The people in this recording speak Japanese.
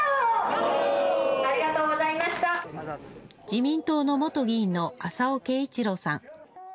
自民党の元議員の浅尾慶一郎さん。